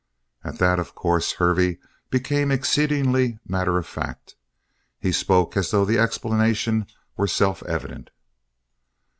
At that, of course, Hervey became exceedingly matter of fact. He spoke as though the explanation were self evident.